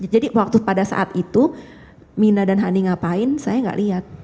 jadi waktu pada saat itu mina dan hani ngapain saya gak lihat